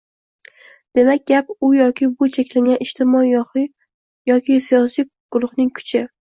Demak, gap u yoki bu cheklangan ijtimoiy yoxud siyosiy guruhning kuchi